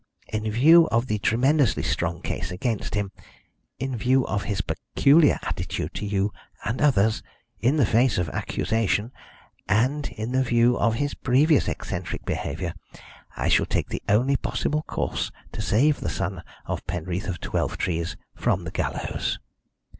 In view of the tremendously strong case against him, in view of his peculiar attitude to you and others in the face of accusation, and in view of his previous eccentric behaviour, I shall take the only possible course to save the son of Penreath of Twelvetrees from the gallows.